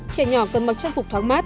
trẻ nhỏ cần mặc trang phục thoáng